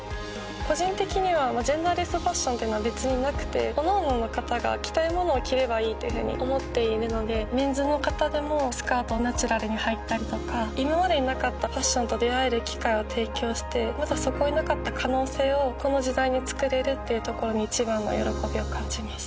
個人的にはジェンダーレスファッションっていうのは別になくておのおのの方が着たい物を着ればいいっていうふうに思っているのでメンズの方でもスカートをナチュラルにはいたりとか今までになかったファッションと出会える機会を提供してまだそこになかった可能性をこの時代に作れるっていうところに一番の喜びを感じます